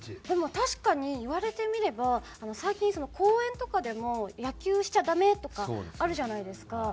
でも確かに言われてみれば最近公園とかでも野球しちゃダメとかあるじゃないですか。